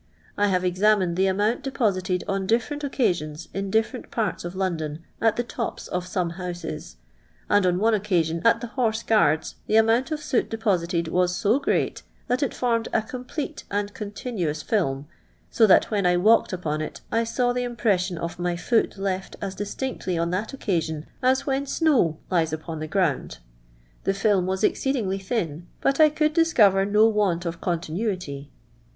I have examined the amount de posited on different occasions in different parts of London at the tops of some houses ; and on one occasion at the Horse Guards the amount of soot deposited was so great, that it formed a complete and continuous film, so that when I walked upon it I saw the impression oi my foot left as dis tinctly on that occasion as when snow lies upon the ground. The film was exceedingly thin, but I could discover no want of continuity.